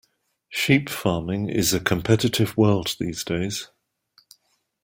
Sheep farming is a competitive world these days.